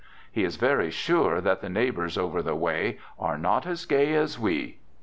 He is very sure that the neigh \ bors over the way " are not as gay as we."